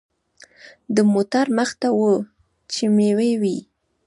د موټر مخته وچې مېوې وې.